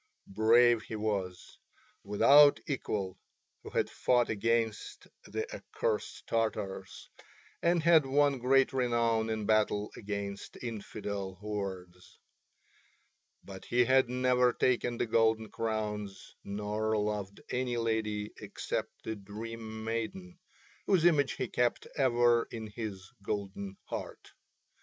Brave he was, without equal, who had fought against the accursed Tatars, and had won great renown in battle against infidel hordes; but he had never taken the golden crowns nor loved any lady except the Dream Maiden, whose image he kept ever in his golden heart.